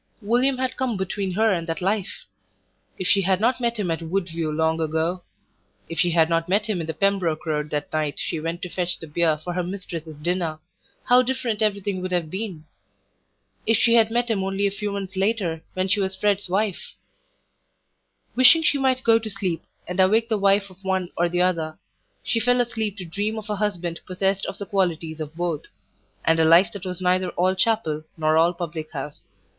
William had come between her and that life. If she had not met him at Woodview long ago; if she had not met him in the Pembroke Road that night she went to fetch the beer for her mistress's dinner, how different everything would have been! ...If she had met him only a few months later, when she was Fred's wife! Wishing she might go to sleep, and awake the wife of one or the other, she fell asleep to dream of a husband possessed of the qualities of both, and a life that was neither all chapel nor all public house.